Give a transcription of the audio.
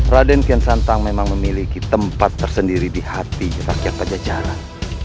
raden kian santang memang memiliki tempat tersendiri di hati rakyat pajajaran